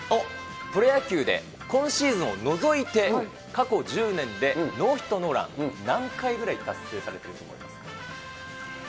プロ野球で今シーズンを除いて、過去１０年でノーヒットノーラン、何回ぐらい達成されてると思いますか？